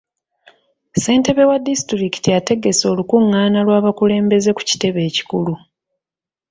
Ssentebe wa disitulikiti ategese olukungaana lw'abakulembeze ku kitebe ekikulu.